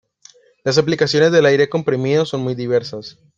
Las aplicaciones del aire comprimido son muy diversas.